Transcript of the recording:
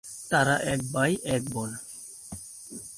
তারা এক ভাই এক বোন।